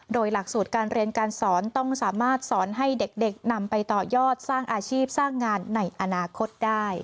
โดยหลักสูตรการเรียนการสอนต้องสามารถสอนให้เด็กนำไปต่อยอดสร้างอาชีพสร้างงานในอนาคตได้